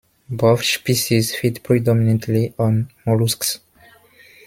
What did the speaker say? Both species feed predominantly on molluscs.